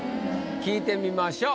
聞いてみましょう。